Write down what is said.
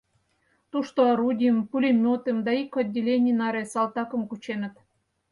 Тушто орудийым, пулемётым да ик отделений наре салтакым кученыт.